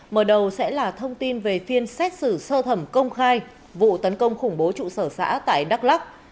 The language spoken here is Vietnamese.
mở đầu sẽ là thông tin về phiên xét xử sơ thẩm công khai vụ tấn công khủng bố trụ sở xã tại đắk lắc